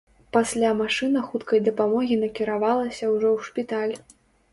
Пасля машына хуткай дапамогі накіравалася ўжо ў шпіталь.